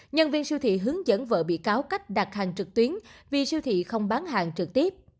nhân viên siêu thị hướng dẫn vợ bị cáo cách đặt hàng trực tuyến vì siêu thị không bán hàng trực tiếp